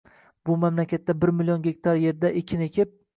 Bu mamlakatda bir million gektar yerda ekin ekib